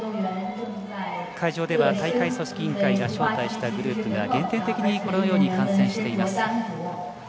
会場では大会組織委員会が招待したグループが限定的に観戦しています。